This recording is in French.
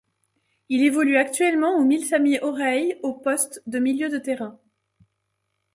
Il évolue actuellement au Milsami Orhei au poste de milieu de terrain.